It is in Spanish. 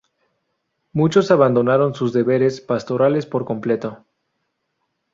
Muchos abandonaron sus deberes pastorales por completo.